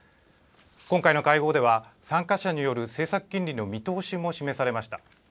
今回の会合では、参加者による政策金利の見通しも示されました。